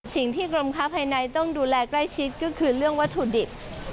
สิ่งที่กรมค้าภายในต้องดูแลใกล้ชิดก็คือเรื่องวัตถุดิบ